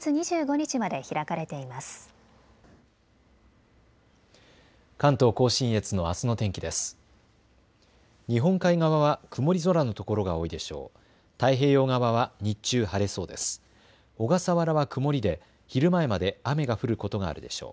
日本海側は曇り空のところが多いでしょう。